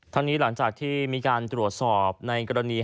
นี้หลังจากที่มีการตรวจสอบในกรณี